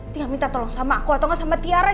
tia minta tolong sama aku atau gak sama tiara